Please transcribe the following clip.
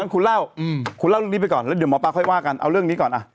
คุณเล่าคุณเล่าเรื่องนี้ไปก่อนแล้วเดี๋ยวหมอปลาค่อยว่ากันเอาเรื่องนี้ก่อน